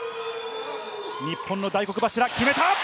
日本の大黒柱、決めた。